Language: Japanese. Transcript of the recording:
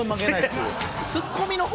ツッコミの方？